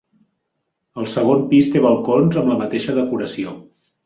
El segon pis té balcons amb la mateixa decoració.